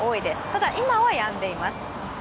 ただ、今はやんでいます。